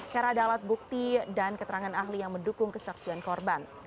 karena ada alat bukti dan keterangan ahli yang mendukung kesaksian korban